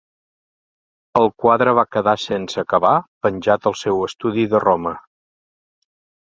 El quadre va quedar sense acabar, penjat al seu estudi de Roma.